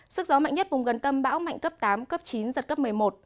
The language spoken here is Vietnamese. sức gió mạnh nhất vùng gần tâm bão mạnh cấp tám cấp chín giật cấp một mươi một